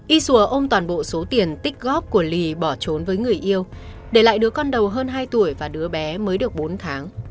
y xùa ôm toàn bộ số tiền tích góp của lì bỏ trốn với người yêu để lại đứa con đầu hơn hai tuổi và đứa bé mới được bốn tháng